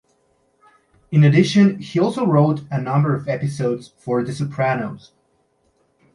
In addition, he also wrote a number of episodes for "The Sopranos".